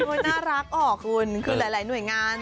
มันน่ารักออกคุณคือหลายหน่วยงาน